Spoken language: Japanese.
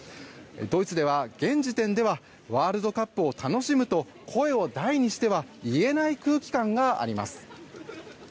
ドイツでは、現時点ではワールドカップを楽しむと声を大にしては言えない空気感があります。